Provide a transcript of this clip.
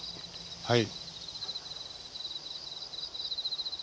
はい。